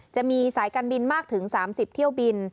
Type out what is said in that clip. จะมีสายการบินมากถึง๓๐เที่ยวบิน